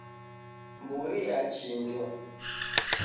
Mburi yachinjwa.